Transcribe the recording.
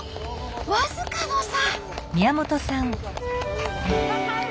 僅かの差。